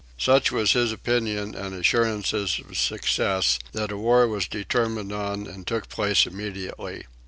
Such was his opinion and assurances of success that a war was determined on and took place immediately.